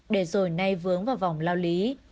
để rồi nay vướng vào vòng lao lý